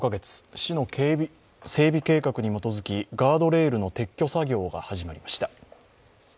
市の整備計画に基づきガードレールの撤去作業が始まりました。